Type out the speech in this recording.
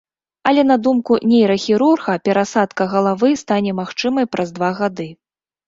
Але на думку нейрахірурга, перасадка галавы стане магчымай праз два гады.